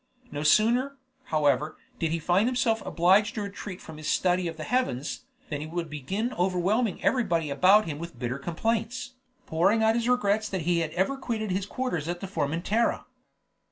No sooner, however, did he find himself obliged to retreat from his study of the heavens, than he would begin overwhelming everybody about him with bitter complaints, pouring out his regrets that he had ever quitted his quarters at Formentera.